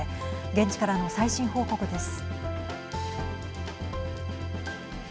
現地からの最新報告です。